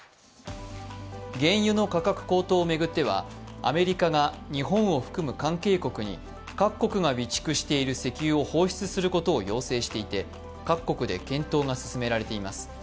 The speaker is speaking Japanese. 原油の価格高騰を巡ってはアメリカが日本を含む関係国に各国が備蓄している石油を放出することを要請していて各国で検討が進められています。